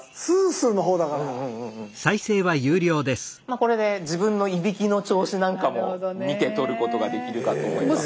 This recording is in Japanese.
これで自分のいびきの調子なんかも見て取ることができるかと思います。